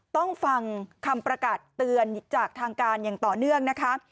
ต้องฟังคำประกาศเตือนจากทางการอย่างต่อเนื่องนะคะ